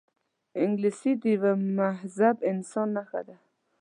انګلیسي د یوه مهذب انسان نښه ده